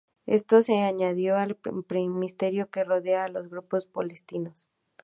Esto se añadió al misterio que rodea a los grupos palestinos.